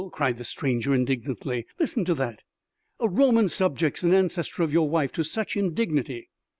cried the stranger indignantly. "Listen to that!... A Roman subjects an ancestor of your wife to such indignity!"